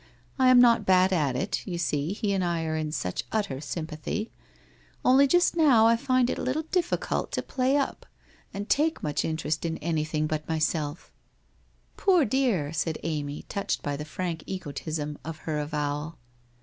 I am not bad at it, you sec he and I are in such utter sympathy. Only just now I find it a little difficult to play up, and take much interest in anything but myself!' 142 WHITE ROSE OF WEARY LEAF ' Poor dear !' said Amy touched by the frank egotism of her avowal.